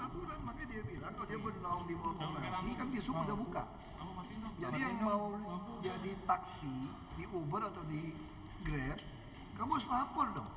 yang mau jadi taksi di uber atau di grab kamu harus lapor dong